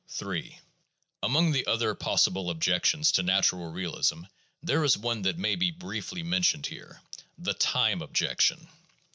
Ill Among the other possible objections to natural realism there is one that may be briefly mentioned here — the time objection.